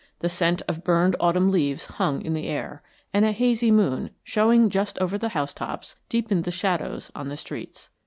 The scent of burned autumn leaves hung in the air, and a hazy moon, showing just over the housetops, deepened the shadows on the streets.